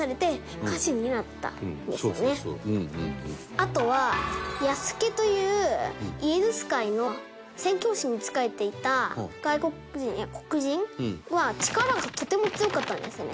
あとは弥助というイエズス会の宣教師に仕えていた外国人や黒人は力がとても強かったんですね。